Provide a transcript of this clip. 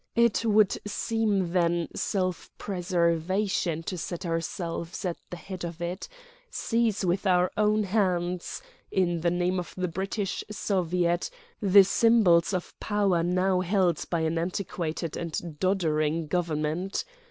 It would seem, then, self preservation to set ourselves at the head of it, seize with our own hands—in the name of the British Soviet—the symbols of power now held by an antiquated and doddering Government.